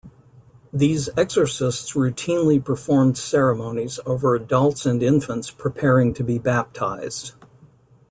These exorcists routinely performed ceremonies over adults and infants preparing to be baptised.